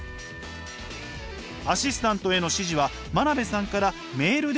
アシスタントへの指示は真鍋さんからメールで送られてくるそう。